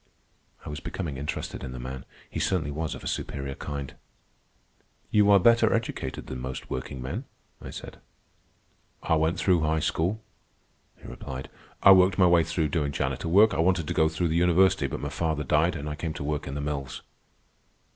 I was becoming interested in the man. He certainly was of a superior kind. "You are better educated than most workingmen," I said. "I went through high school," he replied. "I worked my way through doing janitor work. I wanted to go through the university. But my father died, and I came to work in the mills.